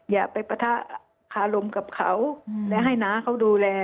อย่าไปปะทะคารมกับเขาและให้น้าเขาดูแล